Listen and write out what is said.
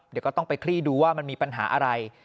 เดี๋ยวก็ต้องไปคลี่ดูว่ามันมีปัญหาอะไร